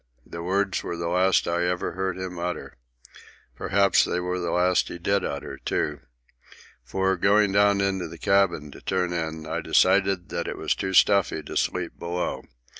The words were the last I ever heard him utter. Perhaps they were the last he did utter, too. For, going down into the cabin to turn in, I decided that it was too stuffy to sleep below.